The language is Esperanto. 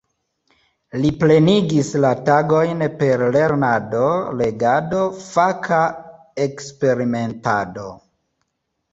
Li plenigis la tagojn per lernado, legado, faka eksperimentado.